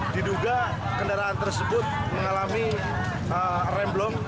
diduga kendaraan tersebut mengalami remblong